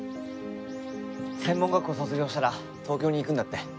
専門学校卒業したら東京に行くんだって？